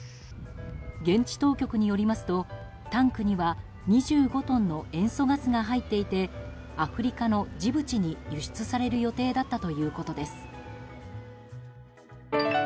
現地当局によりますとタンクには２５トンの塩素ガスが入っていてアフリカのジブチに輸出される予定だったということです。